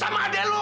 sama adek lo